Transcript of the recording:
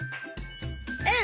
うん。